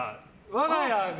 我が家が。